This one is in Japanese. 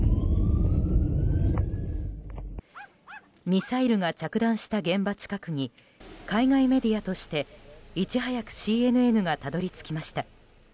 ミサイルが着弾した現場近くに海外メディアとしていち早くＣＮＮがたどり着きました。